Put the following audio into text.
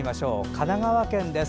神奈川県です。